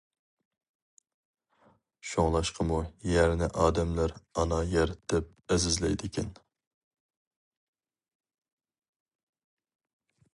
شۇڭلاشقىمۇ يەرنى ئادەملەر ئانا يەر دەپ ئەزىزلەيدىكەن.